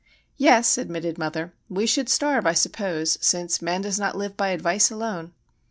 "Yes," admitted mother. "We should starve, I suppose,—since man does not live by advice alone."